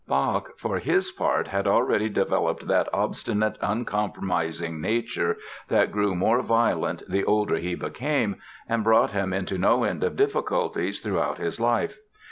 Bach, for his part, had already developed that obstinate, uncompromising nature that grew more violent the older he became and brought him into no end of difficulties throughout his life.